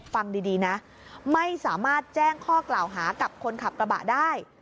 ฟังดีนะไม่สามารถแจ้งข้อกล่าวหากับคนขับกระบะได้